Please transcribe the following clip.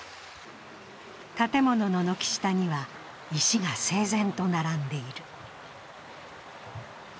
建物の軒下には、石が整然と並んでいる。